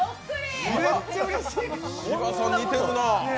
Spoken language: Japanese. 芝さん似てるな。